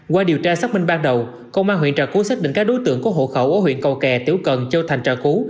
qua điều tra xác minh ban đầu công an huyện trà cú xác định các đối tượng có hộ khẩu ở huyện cầu kè tiểu cần châu thành trà cú